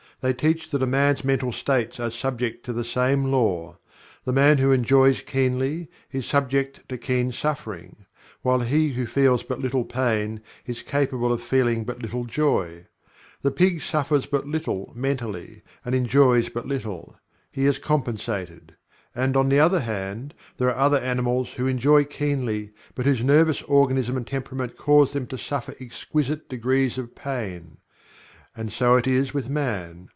They teach that a man's mental states are subject to the same Law. The man who enjoys keenly, is subject to keen suffering; while he who feels but little pain is capable of feeling but little joy. The pig suffers but little mentally, and enjoys but little he is compensated. And on the other hand, there are other animals who enjoy keenly, but whose nervous organism and temperament cause them to suffer exquisite degrees of pain and so it is with Man.